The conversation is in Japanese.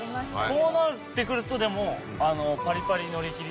こうなってくるとでもあの。